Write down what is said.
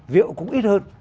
rượu cũng ít hơn